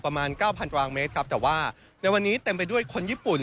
ประมาณเก้าพันตางเมตรครับแต่ว่าในวันนี้เต็มไปด้วยคนญี่ปุ่น